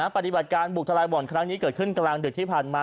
ปฏิบัติการบุกทลายบ่อนครั้งนี้เกิดขึ้นกลางดึกที่ผ่านมา